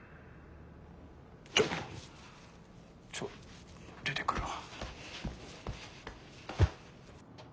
ちょちょっと出てくるわ。